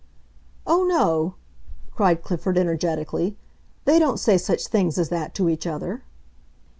"Oh, no," cried Clifford, energetically, "they don't say such things as that to each other!"